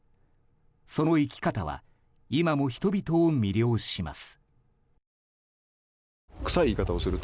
その生き方は今も人々を魅了します。